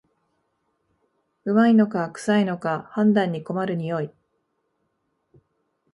旨いのかくさいのか判別に困る匂い